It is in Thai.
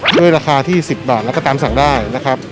ด้วยราคาที่๑๐บาทแล้วก็ตามสั่งได้นะครับ